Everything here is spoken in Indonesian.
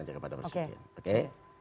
aja kepada presiden oke